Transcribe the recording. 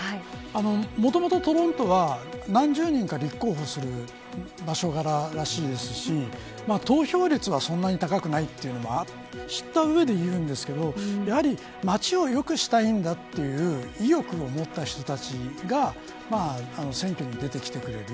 もともとトロントは何十人か立候補する場所柄らしいですし投票率はそんなに高くないというのも知った上で言うんですが街を良くしたいという意欲を持った人たちが選挙に出てきてくれる。